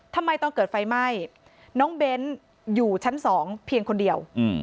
ทำไมตอนเกิดไฟไหม้น้องเบ้นอยู่ชั้น๒เพียงคนเดียว